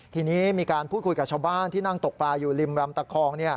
ทีนี้มีการพูดคุยกับชาวบ้านที่นั่งตกปลาอยู่ริมรำตะคอง